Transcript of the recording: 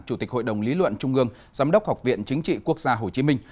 chủ tịch hội đồng lý luận trung ương giám đốc học viện chính trị quốc gia hồ chí minh